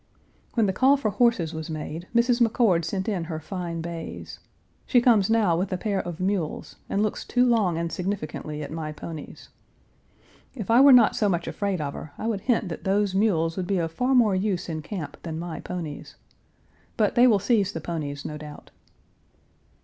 When the call for horses was made, Mrs. McCord sent in her fine bays. She comes now with a pair of mules, and looks too long and significantly at my ponies. If I were not so much afraid of her, I would hint that those mules would be of far more use in camp than my ponies. But they will seize the ponies, no doubt.